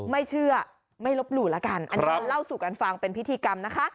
ไม่เชื่อไม่ลบหลู่ละกันอันนี้มาเล่าสู่กันฟังเป็นพิธีกรรมนะคะ